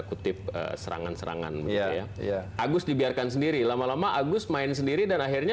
kutip serangan serangan begitu ya agus dibiarkan sendiri lama lama agus main sendiri dan akhirnya